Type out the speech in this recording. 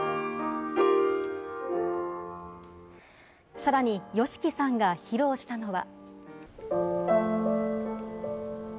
さらにＹＯＳＨＩＫＩさんが披露したのは。